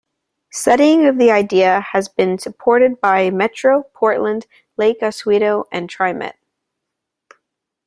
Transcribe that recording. Studying of the idea has been supported by Metro, Portland, Lake Oswego and TriMet.